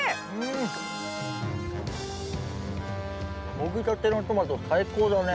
もぎたてのトマト最高だね。